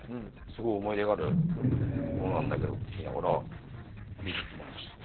すごい思い入れがあるものなんだけどって言いながら譲ってもらいました。